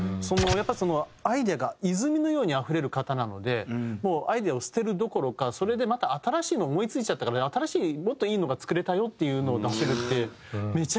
やっぱりそのアイデアが泉のようにあふれる方なのでもうアイデアを捨てるどころかそれでまた新しいのを思い付いちゃったから新しいもっといいのが作れたよっていうのを出せるって。